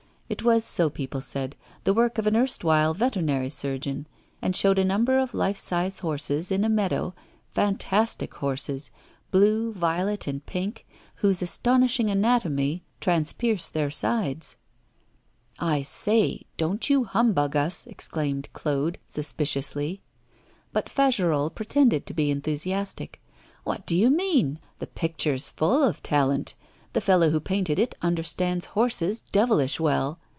It was, so people said, the work of an erstwhile veterinary surgeon, and showed a number of life size horses in a meadow, fantastic horses, blue, violet, and pink, whose astonishing anatomy transpierced their sides. 'I say, don't you humbug us,' exclaimed Claude, suspiciously. But Fagerolles pretended to be enthusiastic. 'What do you mean? The picture's full of talent. The fellow who painted it understands horses devilish well.